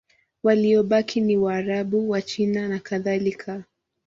Waliobaki ni Waarabu, Wachina nakadhalika.